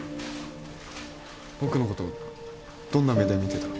僕のことどんな目で見てた？